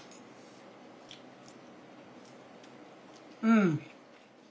うん！